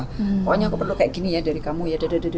pokoknya aku perlu kayak gini ya dari kamu ya